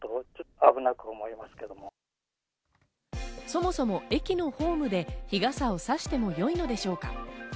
そもそも駅のホームで日傘をさしてもよいのでしょうか？